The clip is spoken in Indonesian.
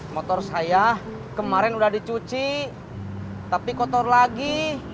motor saya kemarin udah dicuci tapi kotor lagi